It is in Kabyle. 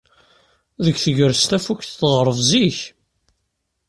Deg tegrest, tafukt tɣerreb zik.